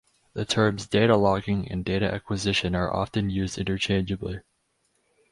The terms data logging and data acquisition are often used interchangeably.